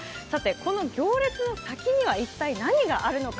この行列の先には一体、何があるのか。